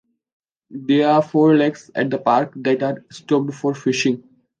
There are four lakes at the park that are stocked for fishing.